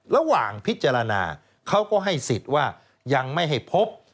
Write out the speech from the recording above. ระหว่างพิจารณาเขาก็ให้สิทธิ์ว่ายังไม่ให้พบ